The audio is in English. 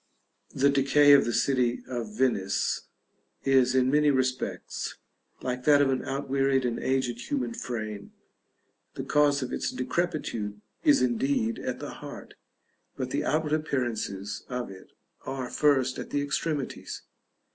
The decay of the city of Venice is, in many respects, like that of an outwearied and aged human frame; the cause of its decrepitude is indeed at the heart, but the outward appearances of it are first at the extremities.